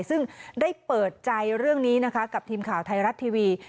ซึ่งได้เปิดใจเรื่องนี้นะคะกับทีมข่าวไทยรัฐทีวี